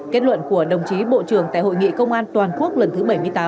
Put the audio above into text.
kết luận của đồng chí bộ trưởng tại hội nghị công an toàn quốc lần thứ bảy mươi tám